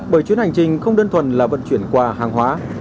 bởi chuyến hành trình không đơn thuần là vận chuyển quà hàng hóa